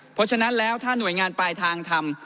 เพราะฉะนั้นแล้วถ้าหน่วยงานปลายทางทำ